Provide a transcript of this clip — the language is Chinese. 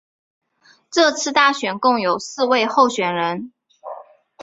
这次大选共有四位候选人。